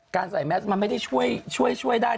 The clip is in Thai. การใส่แม็กซ์มันไม่ได้ช่วยช่วยได้